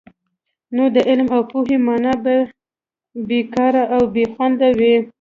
نو د علم او پوهي ماڼۍ به بې کاره او بې خونده وي.